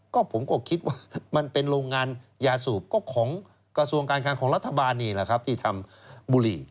ก็ผมก็คิดว่ามันเป็นโรงงานยาสูบก็ของกระทรวงการคังของรัฐบาลนี่แหละครับที่ทำบุหรี่